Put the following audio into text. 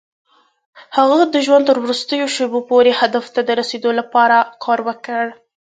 هغه د ژوند تر وروستيو شېبو پورې هدف ته د رسېدو لپاره کار وکړ.